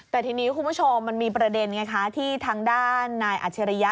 แต่ทีนี้คุณผู้ชมมันมีประเด็นไงคะที่ทางด้านนายอัจฉริยะ